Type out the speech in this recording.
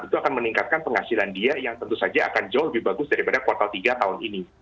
itu akan meningkatkan penghasilan dia yang tentu saja akan jauh lebih bagus daripada kuartal tiga tahun ini